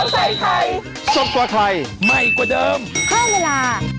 สวัสดีค่ะ